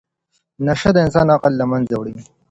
نشه د انسان عقل له منځه وړي.